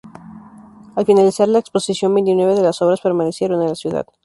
Al finalizar la Exposición, veintinueve de las obras permanecieron en la ciudad.